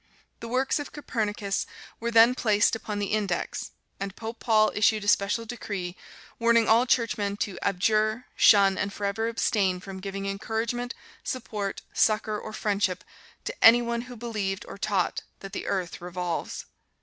The works of Copernicus were then placed upon the "Index," and Pope Paul issued a special decree, warning all Churchmen to "abjure, shun and forever abstain from giving encouragement, support, succor or friendship to any one who believed or taught that the earth revolves."